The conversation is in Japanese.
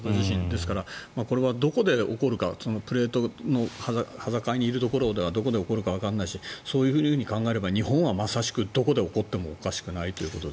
ですからこれはどこで起こるかプレートの端境にいるところではどこで起こるかわからないしそう考えると日本はまさしくどこで起こってもおかしくないということで。